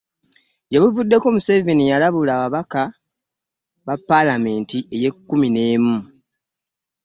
Gye buvuddeko Museveni yalabula ababaka mu Palamenti y'e kkumi n'emu